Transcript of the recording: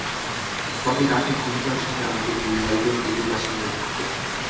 তবে রাতে ঘুমুবার সময় আমাদের দুই ভাইবোনকে দুপাশে নিয়ে ঘুমুতেন।